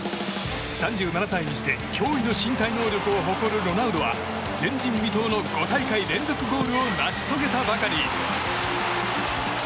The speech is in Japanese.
３７歳にして驚異の身体能力を誇るロナウドは前人未到の５大会連続ゴールを成し遂げたばかり。